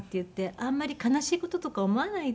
「あんまり悲しい事とか思わないで」